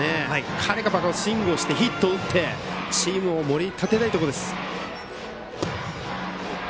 彼がスイングをしてヒットを打ってチームを盛り立てたいところです。